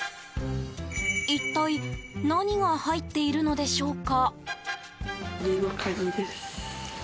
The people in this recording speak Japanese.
一体、何が入っているのでしょうか。